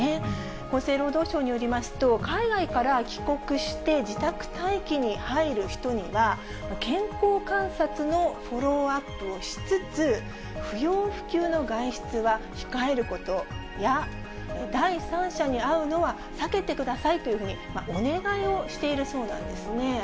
厚生労働省によりますと、海外から帰国して自宅待機に入る人には、健康観察のフォローアップをしつつ、不要不急の外出は控えることや、第三者に会うのは避けてくださいというふうに、お願いをしているそうなんですね。